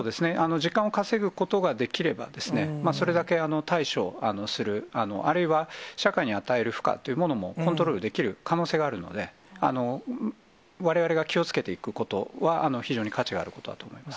時間を稼ぐことができればですね、それだけ対処する、あるいは、社会に与える負荷というものも、コントロールできる可能性があるので、われわれが気をつけていくことは、非常に価値があることだと思います。